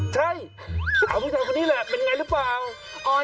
ใช่สาวผู้ชายคนนี้แหละเป็นไงหรือเปล่า